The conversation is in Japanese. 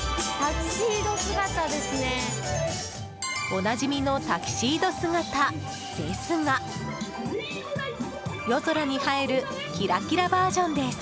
おなじみのタキシード姿ですが夜空に映えるキラキラバージョンです。